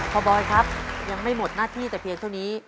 บอยครับยังไม่หมดหน้าที่แต่เพียงเท่านี้